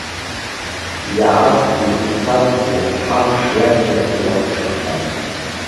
Иаазгьы ицазгьы ҳамш иацын илахҿыххан.